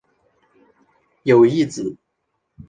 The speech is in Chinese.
有一子。